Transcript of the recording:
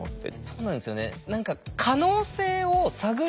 そうなんですよね。